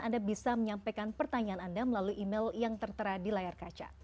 anda bisa menyampaikan pertanyaan anda melalui email yang tertera di layar kaca